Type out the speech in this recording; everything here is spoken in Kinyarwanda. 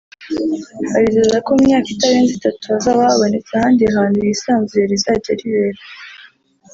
abizeza ko mu myaka itarenze itatu hazaba habonetse ahandi hantu hisanzuye rizajya ribera